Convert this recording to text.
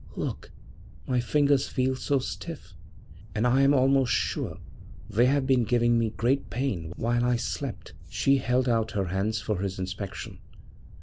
Look my fingers feel so stiff; and I am almost sure they have been giving me great pain while I slept.' She held out her hands for his inspection.